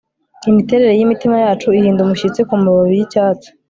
Imiterere yimitima yacu ihinda umushyitsi kumababi yicyatsi